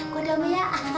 gua damai ya